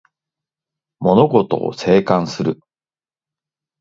物事を静観する